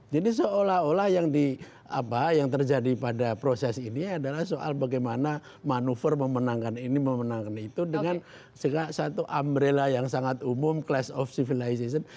jadi seolah olah yang di apa yang terjadi pada proses ini adalah soal bagaimana manuver memenangkan ini memenangkan itu dengan segera satu umbrella yang sangat umum class of civilization